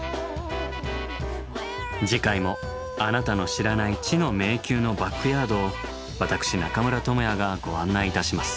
次回もあなたの知らない「知の迷宮のバックヤード」を私中村倫也がご案内いたします。